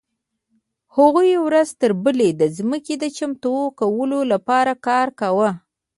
هغوی ورځ تر بلې د ځمکې د چمتو کولو لپاره کار کاوه.